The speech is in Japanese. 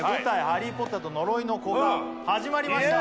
「ハリー・ポッターと呪いの子」が始まりました